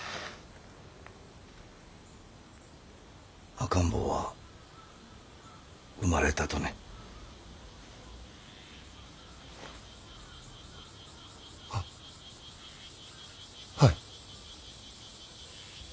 赤ん坊は生まれたとね？ははい。